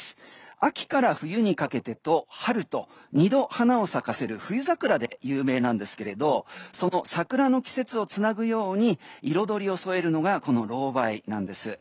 秋から冬にかけてと、春と２度花を咲かせる冬桜で有名なんですけれどその桜の季節をつなぐように色どりを添えるのがこのロウバイなんです。